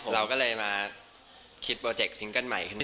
เราก็เลยมาคิดโปรเจคซิงเกิ้ลใหม่ขึ้นน